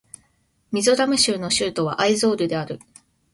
ミゾラム州の州都はアイゾールである